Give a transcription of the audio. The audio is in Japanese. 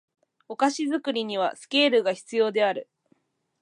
お菓子作りにはスケールが必要である